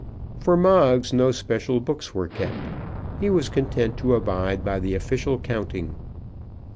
For Moggs no special books were kept. He was content to abide by the official counting.